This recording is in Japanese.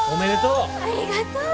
ありがとう！